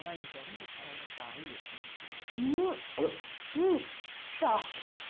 うーん。きた！